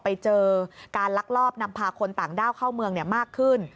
ไปเจอการลักลอบนำพาคนต่างด้าวเข้าเมืองมากขึ้น